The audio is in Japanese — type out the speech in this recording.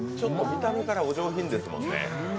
見た目からお上品ですもんね。